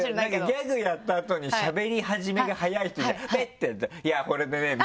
ギャグやった後にしゃべり始めが早い人いるじゃん。